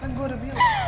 kan gue udah bilang